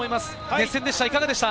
熱戦でした。